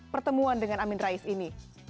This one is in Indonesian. pertemuan dengan amin rais ini